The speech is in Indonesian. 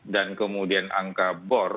dan kemudian angka bor